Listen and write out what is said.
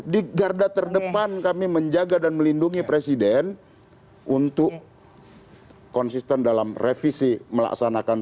di garda terdepan kami menjaga dan melindungi presiden untuk konsisten dalam revisi melaksanakan